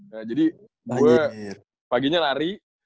ya jadi gue paginya lari